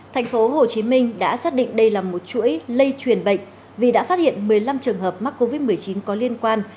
tp hcm đã xác định đây là một chuỗi lây truyền bệnh vì đã phát hiện một mươi năm trường hợp mắc covid một mươi chín có liên quan